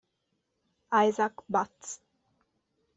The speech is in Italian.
Isaac Butts